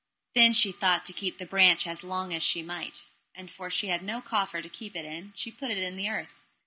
Then she thought to keep the branch as long as she might. And for she had no coffer to keep it in, she put it in the earth.